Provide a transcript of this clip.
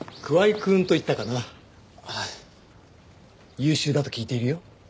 優秀だと聞いているよ。